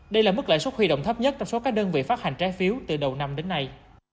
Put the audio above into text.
đây là mức lãi suất huy động thấp nhất trong số các đơn vị phát hành trái phiếu từ đầu năm đến nay